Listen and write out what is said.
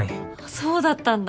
そうだったんだ。